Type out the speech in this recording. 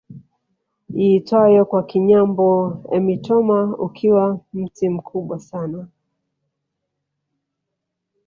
Iitwayo kwa Kinyambo emitoma ukiwa mti mkubwa sana